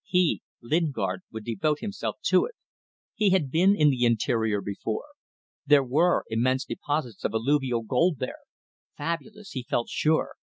He Lingard would devote himself to it. He had been in the interior before. There were immense deposits of alluvial gold there. Fabulous. He felt sure.